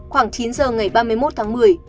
khoảng chín giờ ngày ba mươi một tháng một mươi